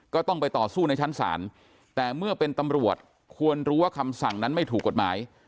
ก็ต้องไปต่อสู้ในชั้นศาลแต่เมื่อเป็นตำรวจควรรู้ว่าคำสั่งนั้นไม่ถูกกฎหมาย